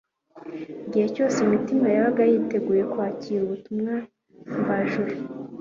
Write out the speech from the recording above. Igihe cyose imitima yabaga yiteguye kwakira ubutumwa mvajuru,